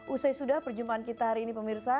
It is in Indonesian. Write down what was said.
usai sudah perjumpaan kita hari ini pemirsa